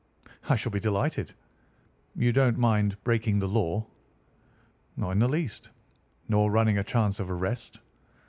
"I shall be delighted." "You don't mind breaking the law?" "Not in the least." "Nor running a chance of arrest?"